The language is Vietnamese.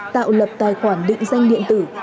tạo lập tài khoản định danh điện tử